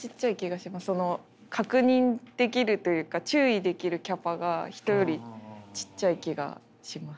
確認できるというか注意できるキャパが人よりちっちゃい気がします。